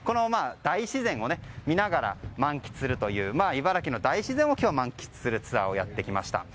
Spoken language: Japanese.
大自然を見ながら満喫するという茨城の大自然を満喫するツアーをやってきました。